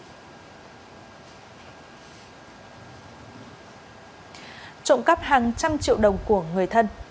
trộm cắp hàng trăm triệu đồng của người thân